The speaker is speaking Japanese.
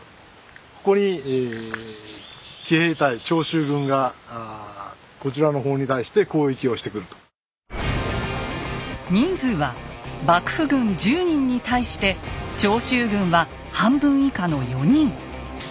ここに人数は幕府軍１０人に対して長州軍は半分以下の４人。